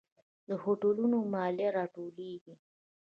د هوټلونو مالیه راټولیږي؟